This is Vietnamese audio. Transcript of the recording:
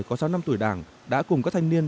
có sáu năm tuổi đảng đã cùng các thanh niên